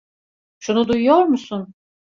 Şunu duyuyor musun?